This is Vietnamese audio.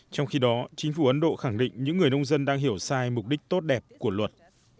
trong khi đó chính phủ ấn độ khẳng định những người nông dân đang hiểu sai mục đích tốt đẹp của luật